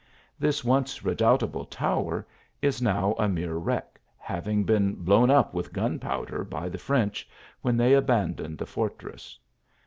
This once redoubtable tower is now a mere wreck, having been blown up with gunpowder, by the French, when they abandoned the fortress.